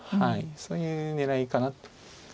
そういう狙いかな。